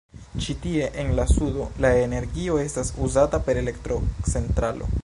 Ĉi tie en la sudo, la energio estas uzata per elektrocentralo.